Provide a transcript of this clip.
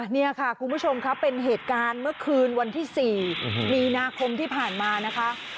นี่ค่ะคุณผู้ชมครับเป็นเหตุการณ์เมื่อคืนวันที่๔มีนาคมที่ผ่านมานะคะ